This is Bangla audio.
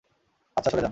আচ্ছা, সরে যান!